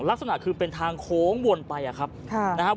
ลักษณะคือเป็นทางโค้งวนไปอะครับนะครับ